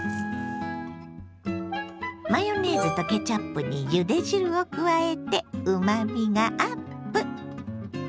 マヨネーズとケチャップにゆで汁を加えてうまみがアップ！